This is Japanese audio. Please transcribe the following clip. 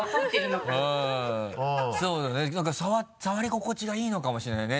そうね何か触り心地がいいのかもしれないね。